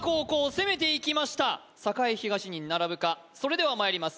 攻めていきました栄東に並ぶかそれではまいります